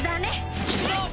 よし！